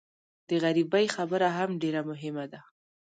د غریبۍ خبره هم ډېره مهمه ده.